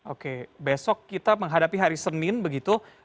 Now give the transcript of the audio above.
oke besok kita menghadapi hari senin begitu